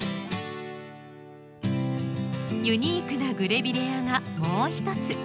ユニークなグレビレアがもう一つ。